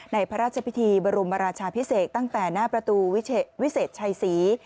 พระราชพิธีบรมราชาพิเศษตั้งแต่หน้าประตูวิเศษชัยศรี